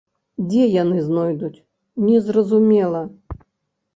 Дзе яны знойдуць, незразумела?